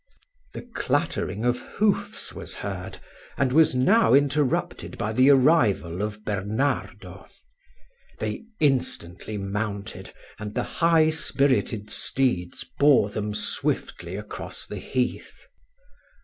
The clattering of hoofs was heard, and Zastrozzi was now interrupted by the arrival of Bernardo they instantly mounted, and the high spirited steeds bore them swiftly across the heath.